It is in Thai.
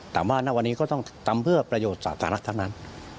แต่ว่าณวันนี้ก็ต้องทำเพื่อประโยชน์สาธารณะเท่านั้น